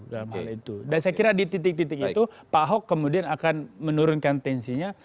dan saya kira di titik titik itu pak ahok kemudian akan menurunkan tensinya